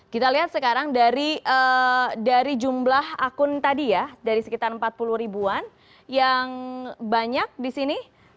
kita lihat sekarang dari jumlah akun tadi ya dari sekitar empat puluh ribuan yang banyak di sini